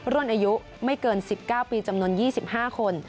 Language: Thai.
รุ่นอายุไม่เกิน๑๙ปีจำนวน๒๕คน